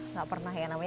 nggak pernah ya namanya